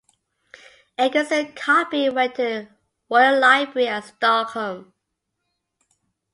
Eggertson's copy went to the Royal Library at Stockholm.